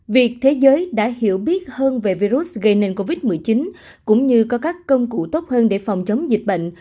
việc thế giới đã hiểu biết hơn về virus gây nên covid một mươi chín cũng như có các công cụ tốt hơn để phòng chống dịch bệnh